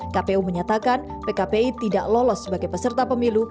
kpu menyatakan pkpi tidak lolos sebagai peserta pemilu